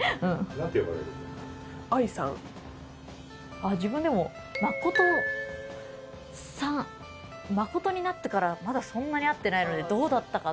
あっ自分でも誠さん誠になってからまだそんなに会ってないのでどうだったかな。